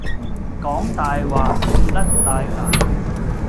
講大話，甩大牙